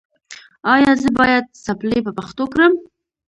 ایا زه باید څپلۍ په پښو کړم؟